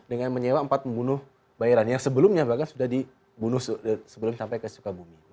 dengan menyewa empat pembunuh bayaran yang sebelumnya bahkan sudah dibunuh sebelum sampai ke sukabumi